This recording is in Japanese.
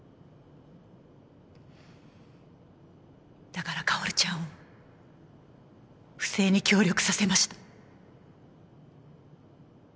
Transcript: だから薫ちゃんを不正に協力させました。